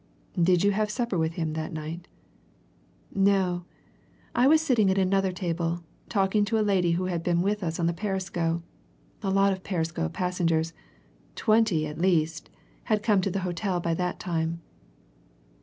"Did you have supper with him that night?" "No I was sitting at another table, talking to a lady who had been with us on the Perisco. A lot of Perisco passengers twenty, at least had come to the hotel by that time."